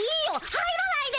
入らないで。